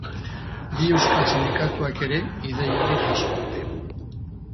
Bi euskal sindikatuek ere ideia hori jaso dute.